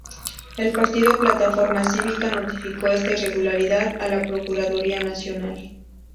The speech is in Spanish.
El partido Plataforma Cívica notificó esta irregularidad a la Procuraduría Nacional.